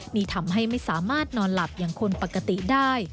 นี่ทำให้ไม่สามารถนอนหลับอย่างคนปกติได้